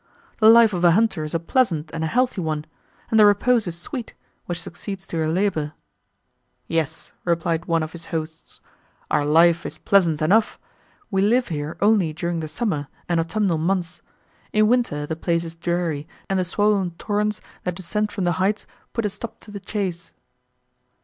"The life of a hunter is a pleasant and a healthy one; and the repose is sweet, which succeeds to your labour." "Yes," replied one of his hosts, "our life is pleasant enough. We live here only during the summer, and autumnal months; in winter, the place is dreary, and the swoln torrents, that descend from the heights, put a stop to the chace."